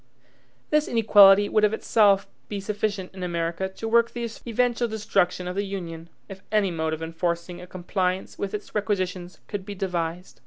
This inequality would of itself be sufficient in America to work the eventual destruction of the Union, if any mode of enforcing a compliance with its requisitions could be devised.